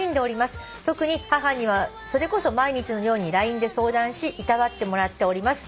「特に母にはそれこそ毎日のようにＬＩＮＥで相談しいたわってもらっております」